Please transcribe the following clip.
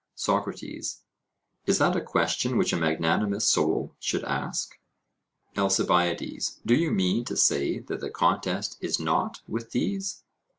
SOCRATES: Is that a question which a magnanimous soul should ask? ALCIBIADES: Do you mean to say that the contest is not with these?